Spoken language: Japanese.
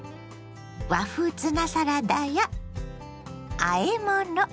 和風ツナサラダやあえ物。